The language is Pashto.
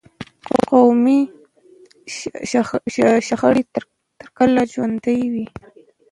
قومي شخړې تر کله ژوندي وي.